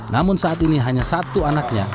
namun saat ini hanya satu anaknya